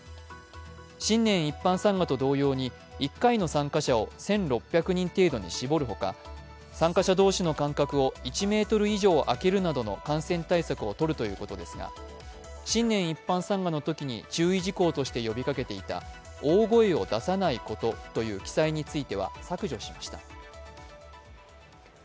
新年一般参賀と同様に、１回の参加者を１６００人程度に絞る他参加者同士の間隔を１ｍ以上空けるなどの感染対策をとるということですが、新年一般参賀のときに注意事項として呼びかけていた大声を出さないことという記載については削除しました。